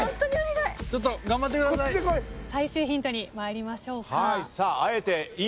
最終ヒントに参りましょうか。